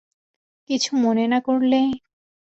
কিছু মনে না করলে?